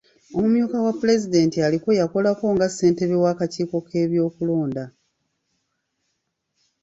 Omumyuka wa pulezidenti aliko yakolako nga ssentebe w'akakiiko k'ebyokulonda.